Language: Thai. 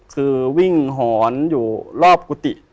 คือวิ่งหอนอยู่รอบกุฏิ